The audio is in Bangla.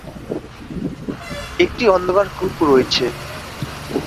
একটি অন্ধকার কূপ রয়েছে।